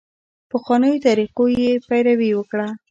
پخوانیو طریقو څخه یې پیروي وکړه.